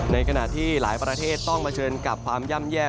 ในขณะที่หลายประเทศต้องเผชิญกับความย่ำแย่